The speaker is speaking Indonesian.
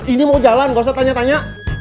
ini mau jalan gak usah tanya tanya